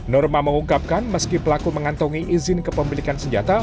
norma mengungkapkan meski pelaku mengantongi izin kepemilikan senjata